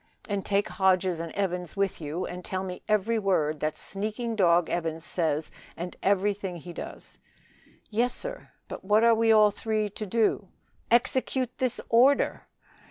"And take Hodges and Evans with you, and tell me every word that sneaking dog, Evans, says and everything he does." "Yes, sir. But what are we all three to do?" "Execute this order!"